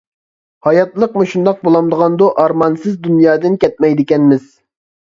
ھاياتلىق مۇشۇنداق بۇلامدىغاندۇ، ئارمانسىز دۇنيادىن كەتمەيدىكەنمىز.